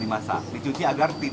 dimasaknya direbus berapa lama pak